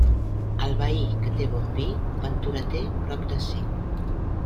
El veí que té bon vi, ventura té prop de si.